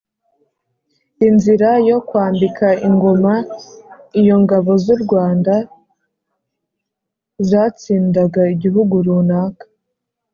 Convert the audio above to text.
inzira yo kwambika ingoma: iyo ingabo z’u rwanda zatsindaga igihugu runaka,